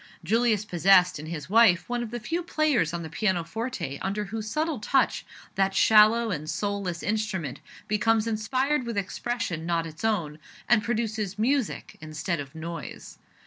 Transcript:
Julius possessed, in his wife, one of the few players on the piano forte under whose subtle touch that shallow and soulless instrument becomes inspired with expression not its own, and produces music instead of noise.